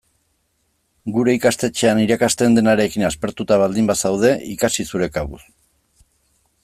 Gure ikastetxean irakasten denarekin aspertuta baldin bazaude, ikasi zure kabuz.